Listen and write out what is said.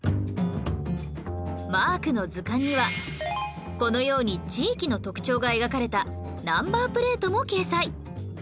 『マークの図鑑』にはこのように地域の特徴が描かれたナンバープレートも掲載